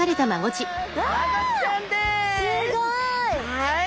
はい。